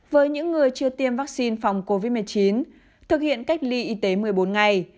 với những người chưa tiêm vaccine phòng covid một mươi chín thực hiện cách ly y tế một mươi bốn ngày